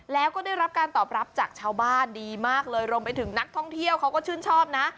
แล้วก็ได้รับการตอบรับจากชาวบ้านดีมากเลยรวมไปถึงนักท่องเที่ยวเขาก็ชื่นชอบนะ